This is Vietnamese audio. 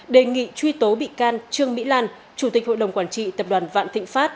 đề nghị truy tố bị can trương mỹ lan chủ tịch hội đồng quản trị tập đoàn vạn thịnh pháp